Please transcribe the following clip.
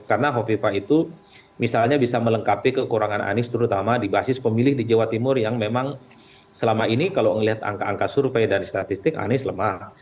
karena hovipa itu misalnya bisa melengkapi kekurangan anies terutama di basis pemilih di jawa timur yang memang selama ini kalau melihat angka angka survei dan statistik anies lemah